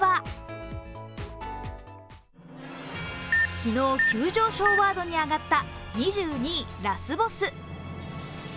昨日急上昇ワードに上がった２２位、ラスボス。